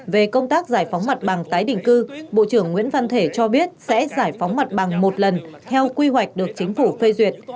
về công tác giải phóng mặt bằng tái định cư bộ trưởng nguyễn văn thể cho biết sẽ giải phóng mặt bằng một lần theo quy hoạch được chính phủ phê duyệt